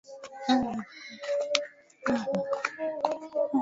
benki kuu ya tanzania ina kamati ya usimamizi wa mabenki